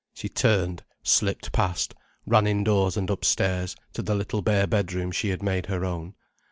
She turned, slipped past, ran indoors and upstairs to the little bare bedroom she had made her own.